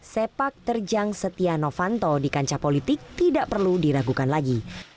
sepak terjang setia novanto di kancah politik tidak perlu diragukan lagi